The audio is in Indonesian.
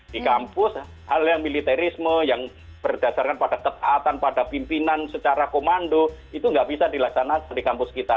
di kampus hal yang militerisme yang berdasarkan pada ketaatan pada pimpinan secara komando itu nggak bisa dilaksanakan di kampus kita